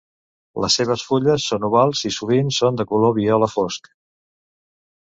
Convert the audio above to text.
Les seves fulles són ovals i sovint són de color viola fosc.